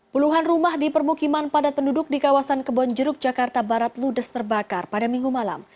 puluhan rumah di permukiman padat penduduk di kawasan kebonjeruk jakarta barat ludes terbakar pada minggu malam